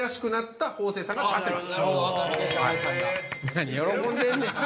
何喜んでんねん！